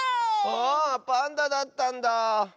あパンダだったんだ。